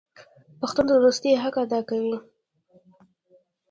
پښتون د دوستۍ حق ادا کوي.